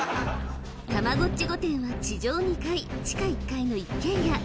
［たまごっち御殿は地上２階地下１階の一軒家］